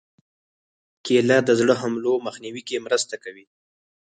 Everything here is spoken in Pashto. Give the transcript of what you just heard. کېله د زړه حملو مخنیوي کې مرسته کوي.